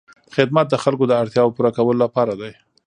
خدمت د خلکو د اړتیاوو پوره کولو لپاره دی.